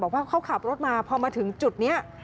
บอกว่าเขาขับรถมาพอมาถึงจุดนี้